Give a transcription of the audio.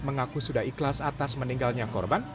mengaku sudah ikhlas atas meninggalnya korban